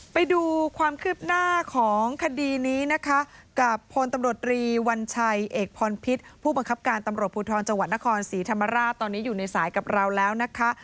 ไปดูความคืบหน้าของคดีนี้นะคะกับพลตำรวจรีวัญชัยเอกพรพิษผู้บังคับการตำรวจภูทรจังหวัดนครศรีธรรมราชตอนนี้อยู่ในสายกับเราแล้วนะคะ